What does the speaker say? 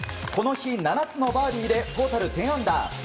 この日、７つのバーディーでトータル１０アンダー。